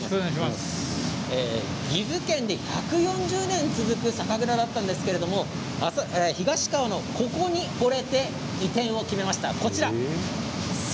岐阜県で１４０年続く酒蔵だったんですが東川のここにほれて移転を決めました。